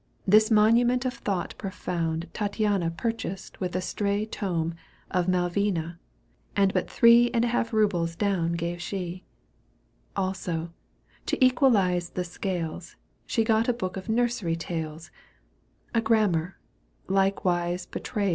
This monument of thought profound Tattiana purchased with a stray у Tome of " Malvina," and but three ^^ X And a half rubles down gave she ; Also, to equalise the scales, She got a book of nursery tales, A grammar, likewise Petriads two.